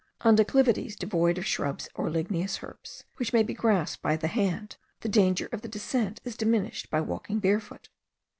On declivities devoid of shrubs or ligneous herbs, which may be grasped by the hand, the danger of the descent is diminished by walking barefoot.